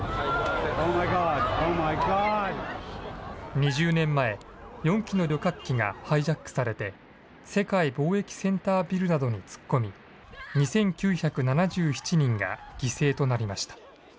２０年前、４機の旅客機がハイジャックされて、世界貿易センタービルなどに突っ込み、２９７７人が犠牲となりました。